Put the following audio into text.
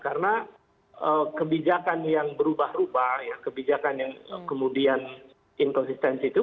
karena kebijakan yang berubah ubah ya kebijakan yang kemudian inkonsistensi itu